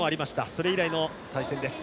それ以来の対戦です。